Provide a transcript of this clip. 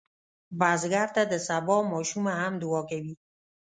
بزګر ته د سبا ماشومه هم دعا کوي